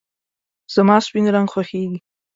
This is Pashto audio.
زما سپین رنګ خوښېږي .